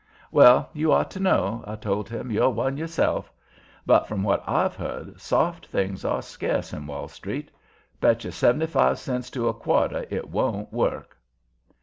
"Well, you ought to know," I told him. "You're one yourself. But, from what I've heard, soft things are scarce in Wall Street. Bet you seventy five cents to a quarter it don't work."